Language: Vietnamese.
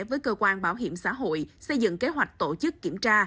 với cơ quan bảo hiểm xã hội xây dựng kế hoạch tổ chức kiểm tra